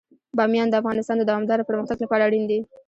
بامیان د افغانستان د دوامداره پرمختګ لپاره اړین دي.